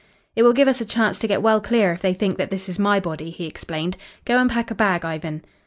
"'It will give us a chance to get well clear if they think that this is my body,' he explained. 'Go and pack a bag, Ivan.'